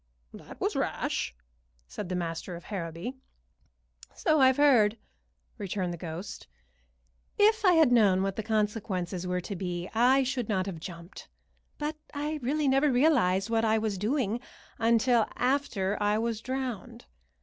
"That was rash," said the master of Harrowby. "So I've heard," returned the ghost. "If I had known what the consequences were to be I should not have jumped; but I really never realized what I was doing until after I was drowned.